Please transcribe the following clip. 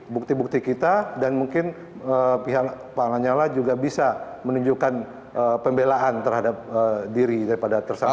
bukti bukti kita dan mungkin pihak pak lanyala juga bisa menunjukkan pembelaan terhadap diri daripada tersangka